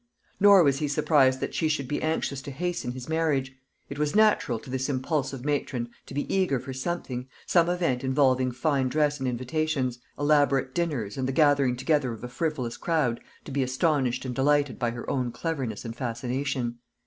Nor was he surprised that she should be anxious to hasten his marriage. It was natural to this impulsive matron to be eager for something, some event involving fine dress and invitations, elaborate dinners, and the gathering together of a frivolous crowd to be astonished and delighted by her own cleverness and fascination.